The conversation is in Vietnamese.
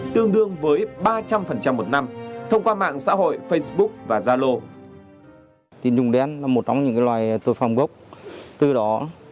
tương đương với ba trăm linh một năm thông qua mạng xã hội facebook và zalo